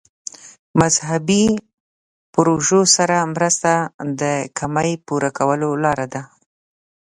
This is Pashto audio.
مذهبي پروژو سره مرسته د کمۍ پوره کولو لاره ده.